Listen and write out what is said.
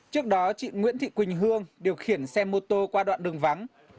trước đó chị nguyễn thị quỳnh hương điều khiển xe mô tô qua đoạn đường vắng